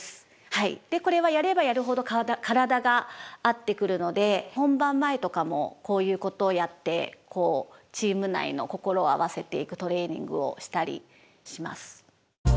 これはやればやるほど体が合ってくるので本番前とかもこういうことをやってチーム内の心を合わせていくトレーニングをしたりします。